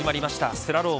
スラローム。